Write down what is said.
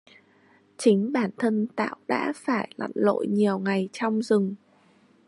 Chính bản thân tạo đã phải lặn lội nhiều ngày trong rừng